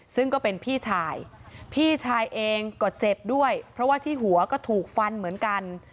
ซึ่งก็เป็นพี่ชายพี่ชายเองก็เจ็บด้วยเพราะว่าที่หัวก็ถูกฟันเหมือนกัน